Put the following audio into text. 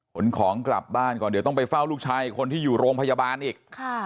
ขนของกลับบ้านก่อนเดี๋ยวต้องไปเฝ้าลูกชายคนที่อยู่โรงพยาบาลอีก